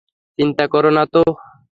চিন্তা করো না তো।